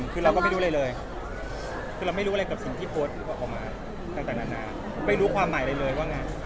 คือเราก็ไม่รู้อะไรที่พบคำมาต่างนะไม่รู้ความหมายอะไรเลยไว้แล้ว